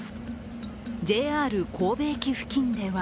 ＪＲ神戸駅付近では